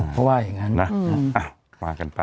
เพราะว่าอย่างงั้น